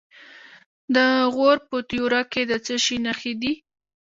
د غور په تیوره کې د څه شي نښې دي؟